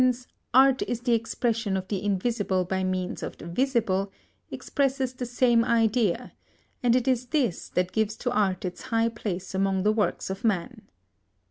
_] Fromentin's "Art is the expression of the invisible by means of the visible" expresses the same idea, and it is this that gives to art its high place among the works of man.